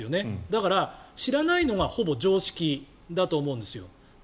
だから、知らないのがほぼ常識だと思うんですよ。